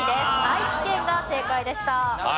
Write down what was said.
愛知県が正解でした。